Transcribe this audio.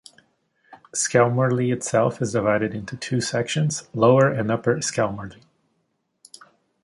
Skelmorlie itself is divided into two sections, Lower and Upper Skelmorlie.